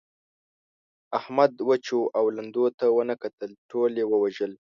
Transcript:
احمد وچو او لندو ته و نه کتل؛ ټول يې ووژل.